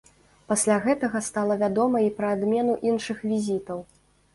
Пасля гэтага стала вядома і пра адмену іншых візітаў.